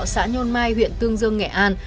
xã nhôn mai huyện tương dương nghệ an